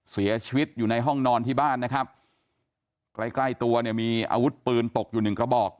เสียชีวิตอยู่ในห้องนอนที่บ้านนะครับใกล้ใกล้ตัวเนี่ยมีอาวุธปืนตกอยู่หนึ่งกระบอก